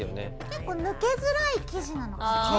結構抜けづらい生地なのかもね。